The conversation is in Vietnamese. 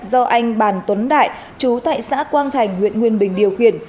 do anh bàn tuấn đại chú tại xã quang thành huyện nguyên bình điều khiển